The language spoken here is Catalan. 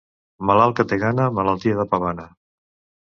Malalt que té gana, malaltia de pavana.